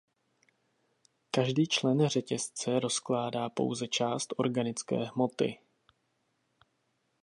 Každý člen řetězce rozkládá pouze část organické hmoty.